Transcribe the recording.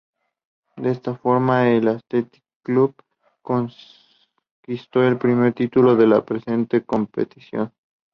De esta forma el Athletic Club conquistó su primer título de la presente competición.